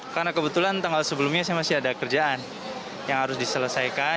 karena kebetulan tanggal sebelumnya saya masih ada kerjaan yang harus diselesaikan